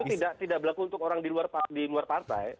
itu tidak berlaku untuk orang di luar partai